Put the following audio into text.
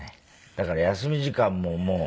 だから休み時間ももう。